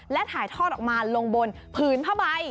และถ่ายทอดออกมาลงบนผืนผ้าใบ